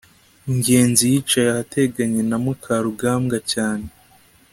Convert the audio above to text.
ngenzi yicaye ahateganye na mukarugambwa cyane